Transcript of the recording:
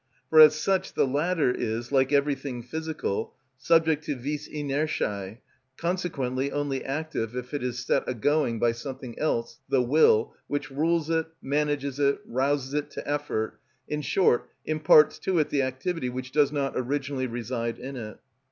For as such the latter is, like everything physical, subject to vis inertiæ, consequently only active if it is set agoing by something else, the will, which rules it, manages it, rouses it to effort, in short, imparts to it the activity which does not originally reside in it.